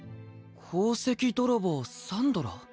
宝石泥棒サンドラ？